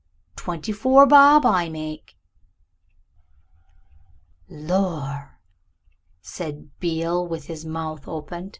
Twenty four bob I make it." "Lor!" said Mr. Beale, with his mouth open.